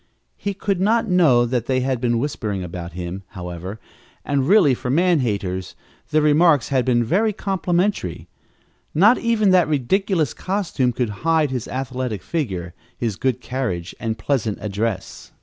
He could not know that they had been whispering about him, however, and really, for man haters, their remarks had been very complimentary. Not even that ridiculous costume could hide his athletic figure, his good carriage and pleasant address.